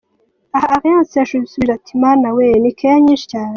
Aha Alliance yasubije ati: "mana we ni care nyinshi cyane.